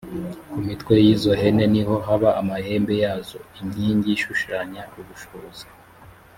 ku mitwe yizo hene niho haba amahembe yazo. inkingi shushanya ubushobozi.